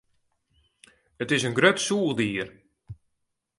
It is in grut sûchdier.